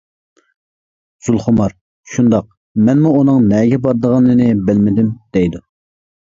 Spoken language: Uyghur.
زۇلخۇمار:-شۇنداق، مەنمۇ ئۇنىڭ نەگە بارىدىغىنىنى بىلمىدىم دەيدۇ.